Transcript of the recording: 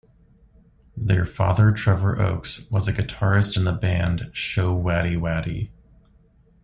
Their father Trevor Oakes was a guitarist in the band Showaddywaddy.